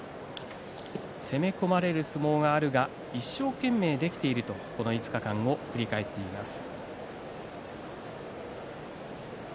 攻め込まれる相撲があるが一生懸命できていると５日間を振り返っていました。